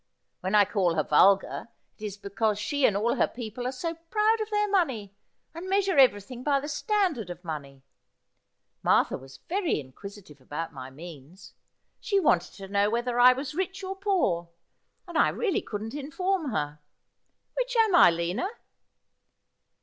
When I call her vulgar it is because she and all her people are so proud of their money, and measure everything by the standard of money. IMartha was very inquisitive about my means. She wanted to know whether I was rich or poor, and I really couldn't inform her. Which am I, Lina